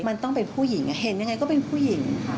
มันต้องเป็นผู้หญิงเห็นยังไงก็เป็นผู้หญิงค่ะ